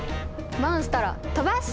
モンストロ飛ばす！